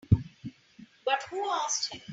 But who asked him?